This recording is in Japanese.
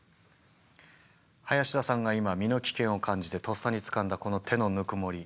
林田さんが今身の危険を感じてとっさにつかんだこの手のぬくもり。